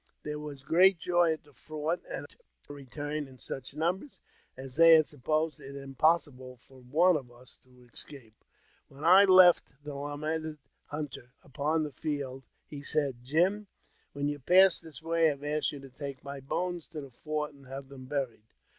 There was great joy at the fort at our return in such numbers, as they had supposed it impossible for one of us to escape. When I left the lamented Hunter upon the field, he said, " Jim, when you pass this way, I ask you to take my bones to the fort, and have them buried.